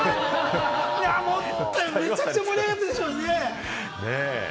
やってたらめちゃくちゃ盛り上がったでしょうね。